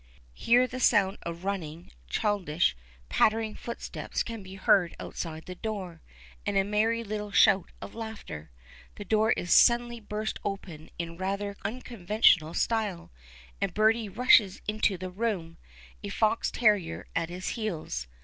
Here the sound of running, childish, pattering footsteps can be heard outside the door, and a merry little shout of laughter. The door is suddenly burst open in rather unconventional style, and Bertie rushes into the room, a fox terrier at his heels.